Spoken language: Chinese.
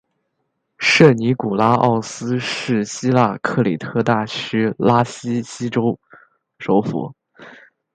圣尼古拉奥斯是希腊克里特大区拉西锡州首府。